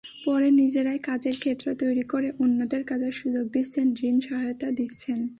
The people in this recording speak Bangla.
পরে নিজেরাই কাজের ক্ষেত্র তৈরি করে অন্যদের কাজের সুযোগ দিচ্ছেন, ঋণ–সহায়তা দিচ্ছেন।